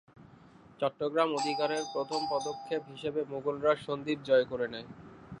চট্টগ্রাম অধিকারের প্রথম পদক্ষেপ হিসেবে মুগলরা সন্দ্বীপ জয় করে নেয়।